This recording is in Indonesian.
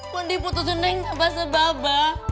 kondi putusin neng nama sebab